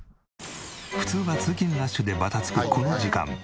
普通は通勤ラッシュでバタつくこの時間。